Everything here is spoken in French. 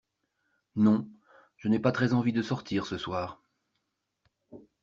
Non, je n'ai pas très envie de sortir ce soir.